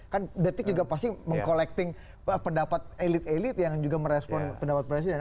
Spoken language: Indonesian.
kan detik juga pasti meng collecting pendapat elit elit yang juga merespon pendapat presiden